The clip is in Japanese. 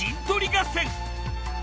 合戦。